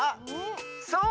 そう。